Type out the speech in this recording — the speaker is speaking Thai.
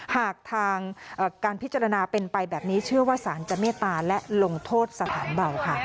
หากทางการพิจารณาเป็นไปแบบนี้เชื่อว่าสารจะเมตตาและลงโทษสถานเบาค่ะ